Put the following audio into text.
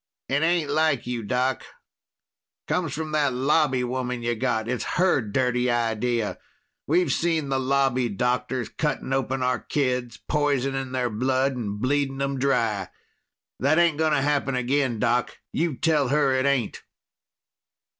"It ain't like you, Doc. Comes from that Lobby woman you got. It's her dirty idea. We've seen the Lobby doctors cutting open our kids, poisoning their blood, and bleeding them dry. That ain't gonna happen again, Doc. You tell her it ain't!"